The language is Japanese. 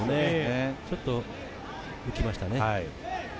ちょっと浮きましたね。